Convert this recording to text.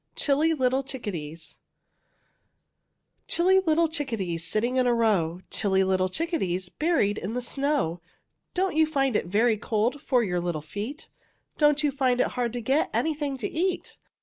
CHILLY LITTLE CHICKADEES Chilly little chickadees, Sitting in a row, Chilly little chickadees, Buried in the snow, Don't you find it very cold For your little feet? Don't you find it hard to get Anything to eat?